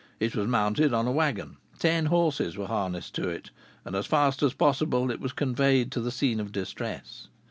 It was mounted on a wagon; ten horses were harnessed to it; and as fast as possible it was conveyed to the scene of distress.